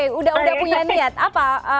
sudah punya niat apa